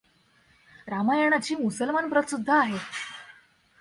रामायणाची मुसलमान प्रत सुद्धा आहे.